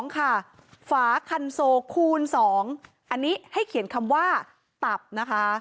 ค่ะฝาคันโซคูณ๒อันนี้ให้เขียนคำว่าตับนะคะ